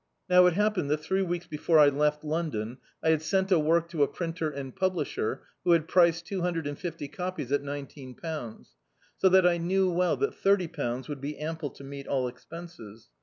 Now it happened that three weeks before I left Londm, I had sent a work to a printer and publisher, who had priced two hundred and fifty copies at nineteen pounds; so that I knew well that thirty pounds would be ample to meet all expenses.